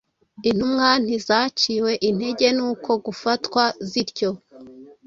Intumwa ntizaciwe intege n’uko gufatwa zityo;